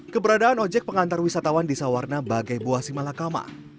keberadaan ojek pengantar wisatawan di sawarna bagai buah simalakama